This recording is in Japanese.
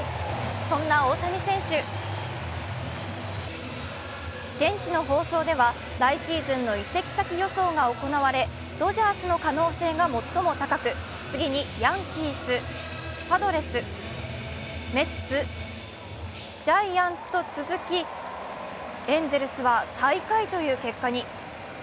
そんな大谷選手、現地の放送では来シーズンの移籍先予想が行われ、ドジャースの可能性が最も高く、次にヤンキース、パドレス、メッツ、ジャイアンツと続きエンゼルスは最下位という結果に。